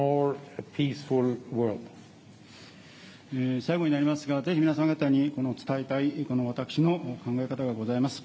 最後になりますが、ぜひ皆さん方に伝えたい私の考え方がございます。